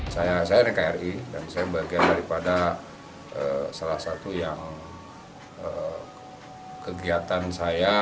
saya rkiri dan saya berbagian daripada salah satu yang kegiatan saya